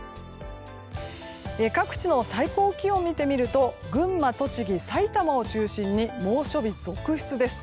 各地の最高気温を見てみると群馬、栃木、埼玉を中心に猛暑日続出です。